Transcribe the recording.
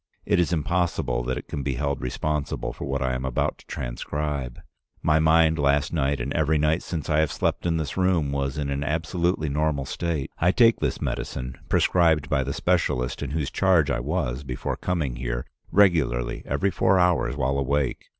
It is impossible that it can be held responsible for what I am about to transcribe. My mind last night and every night since I have slept in this room was in an absolutely normal state. I take this medicine, prescribed by the specialist in whose charge I was before coming here, regularly every four hours while awake.